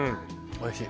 おいしい。